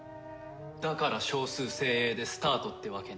だから少数精鋭でスタートってわけね。